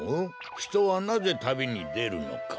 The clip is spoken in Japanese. ひとはなぜたびにでるのか。